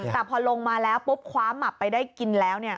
แต่พอลงมาแล้วปุ๊บคว้าหมับไปได้กินแล้ว